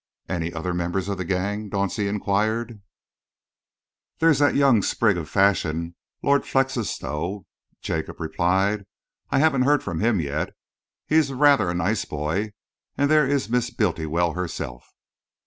"Any other members of the gang?" Dauncey enquired. "There's that young sprig of fashion, Lord Felixstowe," Jacob replied. "I haven't heard from him yet. He is rather a nice boy. And there is Miss Bultiwell herself."